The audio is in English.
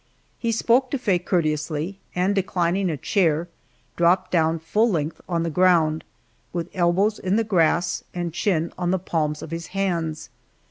He spoke to Faye courteously, and declining a chair, dropped down full length on the ground, with elbows in the grass and chin on the palms of his hands.